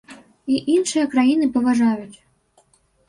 І іншыя краіны паважаюць.